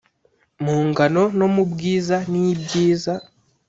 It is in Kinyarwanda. mu ngano no mu bwiza nibyiza